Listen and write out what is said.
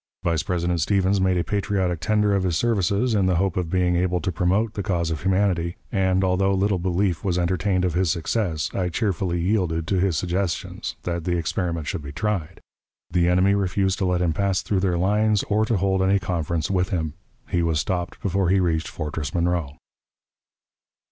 Vice President Stephens made a patriotic tender of his services, in the hope of being able to promote the cause of humanity; and, although little belief was entertained of his success, I cheerfully yielded to his suggestions, that the experiment should be tried. The enemy refused to let him pass through their lines or to hold any conference with him. He was stopped before he reached Fortress Monroe.